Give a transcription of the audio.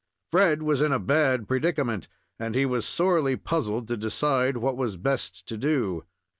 Fred was in a bad predicament, and he was sorely puzzled to decide what was best to do.